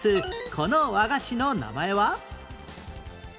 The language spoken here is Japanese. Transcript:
この和菓子の名前は？